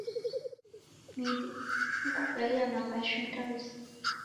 Midi idima kukaia na mbashu ndazi.